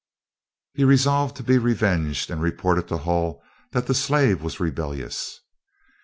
He resolved to be revenged, and reported to Hull that the slave was rebellious.